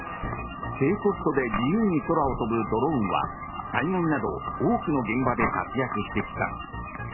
低コストで自由に空を飛ぶドローンは災害など多くの現場で活躍してきた。